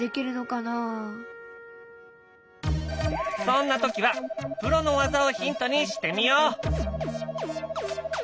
そんな時はプロの技をヒントにしてみよう！